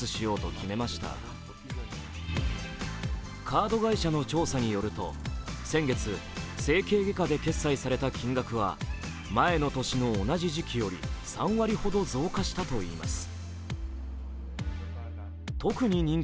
カード会社の調査によると先月整形外科で決済された金額は前の年の同じ時期より３割ほど増加したといいます。